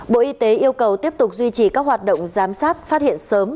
bộ y tế yêu cầu tiếp tục duy trì các hoạt động giám sát phát hiện sớm